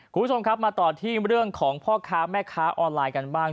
คุณผู้ชมครับมาต่อที่เรื่องของพ่อค้าแม่ค้าออนไลน์กันบ้าง